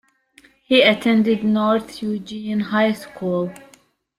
He attended North Eugene High School.